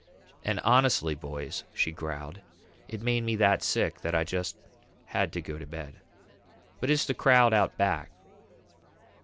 "And honestly, boys," she growled, "it made me that sick that I just had to go to bed." "Who is the crowd out back?"